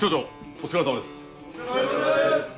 お疲れさまです！